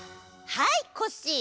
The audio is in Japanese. はいコッシー！